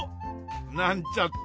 なんちゃって。